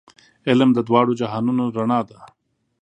علم د دواړو جهانونو رڼا ده.